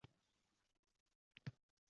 Cheksiz xayollar